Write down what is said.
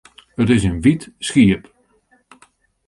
It is in wyt skiep.